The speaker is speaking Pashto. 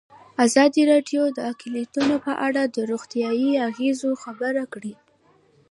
ازادي راډیو د اقلیتونه په اړه د روغتیایي اغېزو خبره کړې.